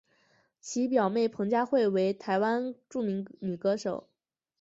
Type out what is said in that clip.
其表妹彭佳慧为台湾著名女歌手。